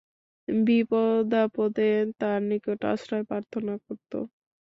বিপদাপদে তার নিকট আশ্রয় প্রার্থনা করত।